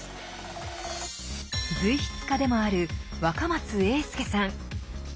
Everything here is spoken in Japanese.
随筆家でもある若松英輔さん。